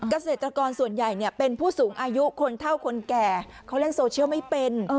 เกษตรกรส่วนใหญ่เป็นผู้สูงอายุคนเท่าคนแก่เขาเล่นโซเชียลไม่เป็น